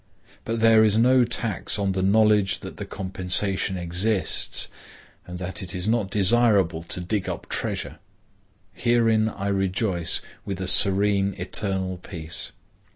But there is no tax on the knowledge that the compensation exists and that it is not desirable to dig up treasure. Herein I rejoice with a serene eternal peace.